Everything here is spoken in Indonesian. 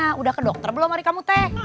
sudah ke dokter belum hari kamu teh